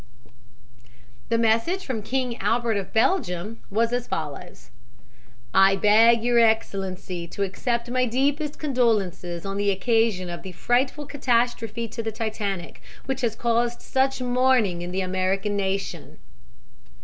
The message from King Albert of Belgium was as follows: "I beg Your Excellency to accept my deepest condolences on the occasion of the frightful catastrophe to the Titanic, which has caused such mourning in the American nation."